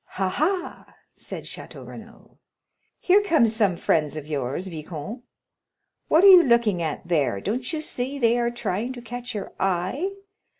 "Ha, ha," said Château Renaud, "here come some friends of yours, viscount! What are you looking at there? don't you see they are trying to catch your eye?"